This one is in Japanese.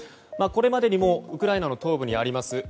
これまでにもウクライナの東部にあります